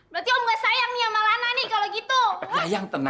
boleh dong dulu